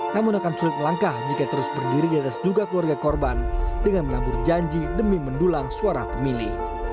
namun akan sulit melangkah jika terus berdiri di atas duka keluarga korban dengan menabur janji demi mendulang suara pemilih